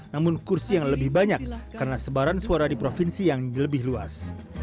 namun kursi yang lebih banyak karena sebaran suara di provinsi yang lebih luas